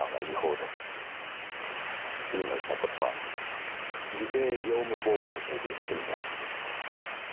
君のした事は偽計業務妨害という罪です。